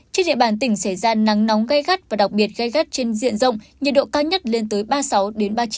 trên địa bàn tỉnh xảy ra nắng nóng gây gắt và đặc biệt gai gắt trên diện rộng nhiệt độ cao nhất lên tới ba mươi sáu ba mươi chín